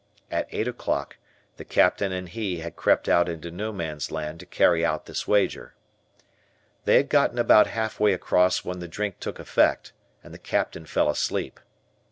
At eight o' clock the Captain and he had crept out into No Man's Land to carry out this wager. They had gotten about half way across when the drink took effect and the Captain fell asleep.